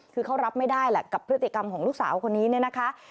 คือเขารับไม่ได้แหละกับพฤติกรรมของลูกสาวคนนี้เนี่ยนะคะ